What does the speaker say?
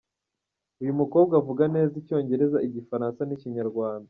Uyu mukobwa avuga neza Icyongereza, Igifaransa n’Ikinyarwanda.